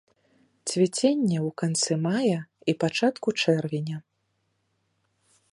Цвіценне ў канцы мая і пачатку чэрвеня.